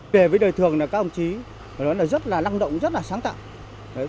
về với đời thường là các đồng chí nó rất là năng động rất là sáng tạo